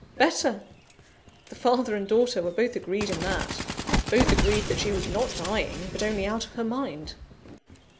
Better! the father and daughter were both agreed in that; both agreed that she was not dying, but only out of her mind.